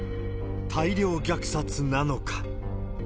大量虐殺なのか。